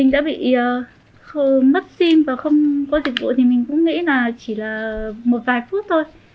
thì mất sim và không có dịch vụ thì mình cũng nghĩ là chỉ là một vài phút thôi